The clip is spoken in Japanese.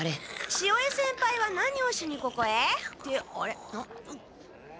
潮江先輩は何をしにここへってあれ？